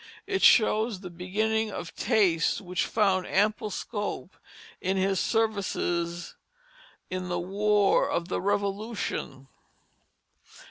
It shows the beginning of tastes which found ample scope in his services in the war of the Revolution.